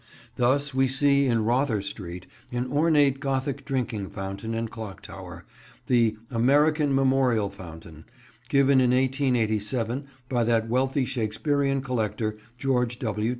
Thus we see in Rother Street an ornate gothic drinking fountain and clock tower, the "American Memorial Fountain," given in 1887 by that wealthy Shakespearean collector, George W.